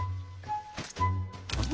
あれ？